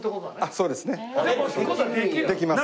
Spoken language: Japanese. そうですね。